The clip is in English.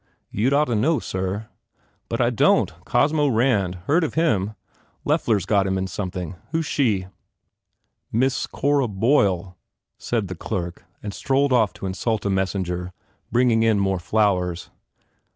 "You d ought to know, sir." "But I don t. Cosmo Rand? Heard of him. Loeffler s got him in something. Who s she?" "Miss Cora Boyle," said the clerk and strolled off to insult a messenger bringing in more flowers.